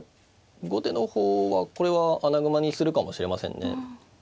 後手の方はこれは穴熊にするかもしれませんね。